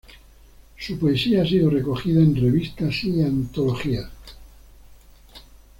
Su poesía ha sido recogida en revistas y antologías.